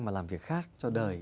mà làm việc khác cho đời